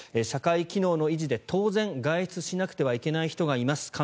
社会機能の維持で当然、外出しなくてはいけない人がいます